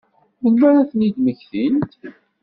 Melmi ara ad ten-id-mmektint?